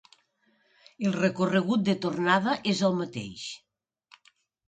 El recorregut de tornada és el mateix.